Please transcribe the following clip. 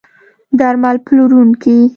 درمل پلورونکي